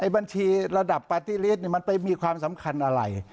บัญชีระดับปาร์ตี้ลิสต์มันไปมีความสำคัญอะไร